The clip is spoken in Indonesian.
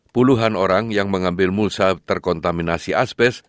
puluhan orang yang mengambil mulsaf terkontaminasi asbest